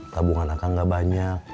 tabungan akang gak banyak